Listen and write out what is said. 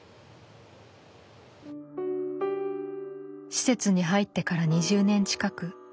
施設に入ってから２０年近く。